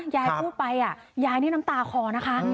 ยายพูดไปยายนี่น้ำตาคอนะคะ